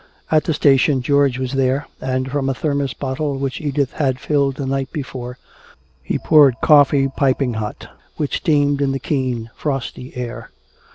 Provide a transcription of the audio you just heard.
At the station George was there, and from a thermos bottle which Edith had filled the night before he poured coffee piping hot, which steamed in the keen, frosty air.